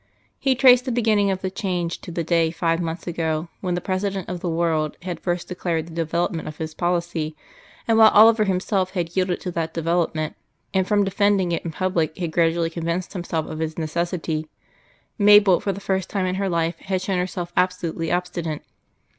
He traced the beginning of the change to the day five months ago when the President of the World had first declared the development of his policy, and while Oliver himself had yielded to that development, and from defending it in public had gradually convinced himself of its necessity, Mabel, for the first time in her life, had shown herself absolutely obstinate.